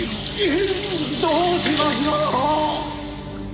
えっどうしましょう！？